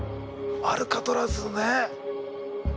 アルカトラズね。